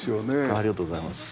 ありがとうございます。